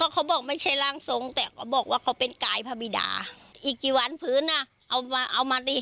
เขาบอกว่าเขาเป็นกายภาพบิดาอีกกี่วันฟื้นอ่ะเอามาเอามาดี